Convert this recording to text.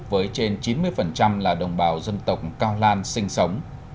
với trên chín mươi là đồng bào dân tộc cao lan sinh sống